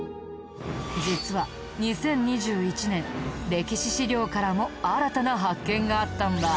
実は２０２１年歴史史料からも新たな発見があったんだ。